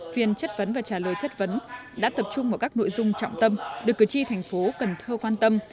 phiên chất vấn và trả lời chất vấn đã tập trung vào các nội dung trọng tâm được cử tri thành phố cần thơ quan tâm